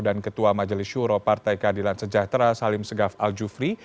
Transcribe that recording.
dan ketua majelis syuro partai keadilan sejahtera salim segaf al jufri